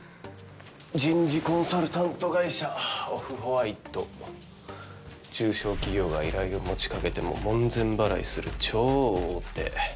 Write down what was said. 人事コンサルタント会社オフホワイト中小企業が依頼を持ちかけても門前払いする超大手